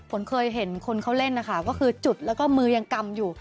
ฝนเคยเห็นคนเขาเล่นนะคะก็คือจุดแล้วก็มือยังกำอยู่